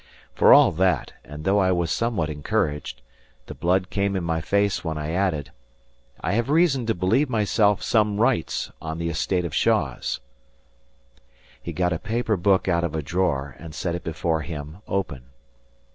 For all that, and though I was somewhat encouraged, the blood came in my face when I added: "I have reason to believe myself some rights on the estate of Shaws." He got a paper book out of a drawer and set it before him open.